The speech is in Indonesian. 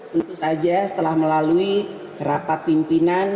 tentu saja setelah melalui rapat pimpinan